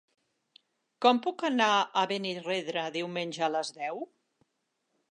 Com puc anar a Benirredrà diumenge a les deu?